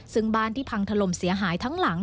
ซึ่งบ้านที่พังถล่มเสียหายทั้งหลัง